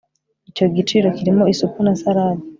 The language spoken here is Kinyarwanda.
Icyo giciro kirimo isupu na salade